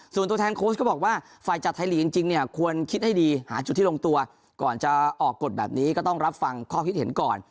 ส่วนตัวแทนโค้ชก็บอกว่าฝ่ายจัดไทยลีกจริงเนี่ยควรคิดให้ดีหาจุดที่ลงตัวก่อนจะออกกฎแบบนี้ก็ต้องรับฟังข้อคิดเห็นก่อน